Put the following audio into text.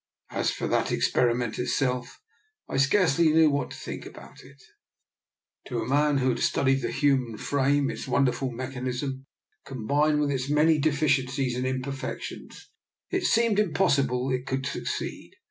As for that experiment itself, I scarcely knew what to think about it. To a man who had studied the human frame, its wonderful mech 71 72 r>R NIK.OLA'S EXPERIMENT. anism combined with its many deficiencies and imperfections, it seemed impossible it could succeed.